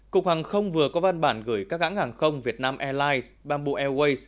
cục hàng không vừa có văn bản gửi các hãng hàng không việt nam airlines bamboo airways